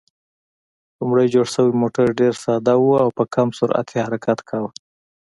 لومړی جوړ شوی موټر ډېر ساده و او په کم سرعت یې حرکت کاوه.